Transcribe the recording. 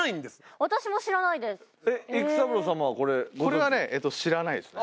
これはね知らないですね。